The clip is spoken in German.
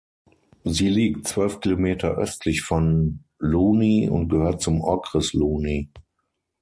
Sie liegt zwölf Kilometer östlich von Louny und gehört zum Okres Louny.